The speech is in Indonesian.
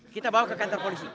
kita bawa ke kantor polisi